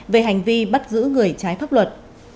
về hành vi bắt giữ người trái pháp luật